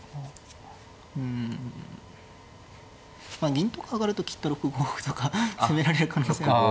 うんまあ銀とか上がると切って６五歩とか攻められる可能性あるから。